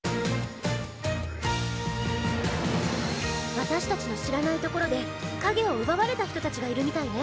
私たちの知らないところで影を奪われた人たちがいるみたいね。